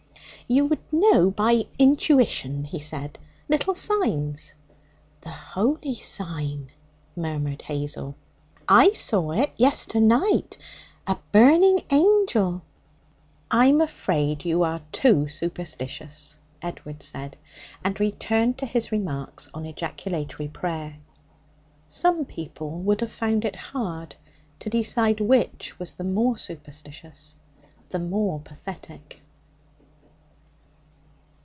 'You would know by intuition,' he said, 'little signs.' 'The Holy Sign!' murmured Hazel. 'I saw it yester night a burning angel.' 'I'm afraid you are too superstitious,' Edward said, and returned to his remarks on ejaculatory prayer. Some people would have found it hard to decide which was the more superstitious, the more pathetic.